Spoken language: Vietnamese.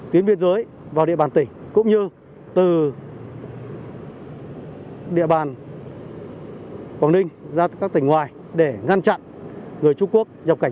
xã nga cần financiering ở biện pháp chiếm khẩu s suddenly